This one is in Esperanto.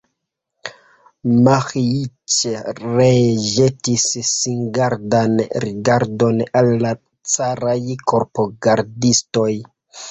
Miĥeiĉ ree ĵetis singardan rigardon al la caraj korpogardistoj.